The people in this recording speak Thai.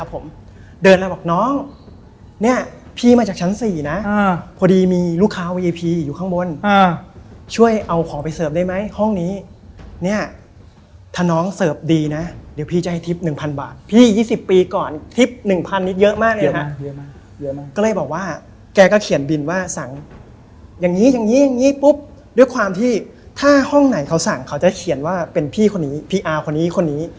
ผมก็เลยแย้งพี่ไปว่าพี่ไปคนเดียวก็ได้นี่